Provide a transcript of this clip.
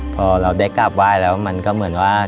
พอเราได้กราบไหว้แล้วมันก็เหมือนว่า